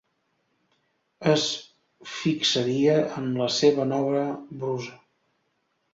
Es fixaria en la seva nova brusa.